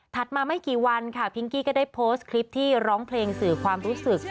มาไม่กี่วันค่ะพิงกี้ก็ได้โพสต์คลิปที่ร้องเพลงสื่อความรู้สึก